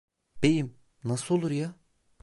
Beyim, nasıl olur ya?